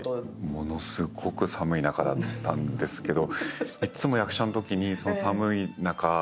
ものすごい寒い中だったんですけど。